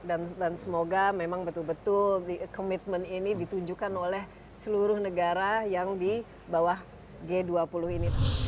dan semoga memang betul betul the commitment ini ditunjukkan oleh seluruh negara yang di bawah g dua puluh ini